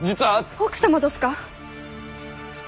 奥様どすか？